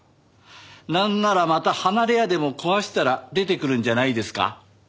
なんならまた離れ家でも壊したら出てくるんじゃないですか？